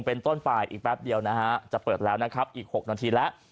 เป็นต้นไปอีกแป๊บเดียวนะฮะจะเปิดแล้วนะครับอีก๖นาทีแล้ว